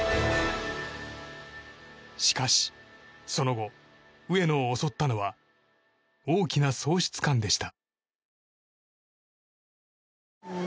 しかし、その後上野を襲ったのは大きな喪失感でした。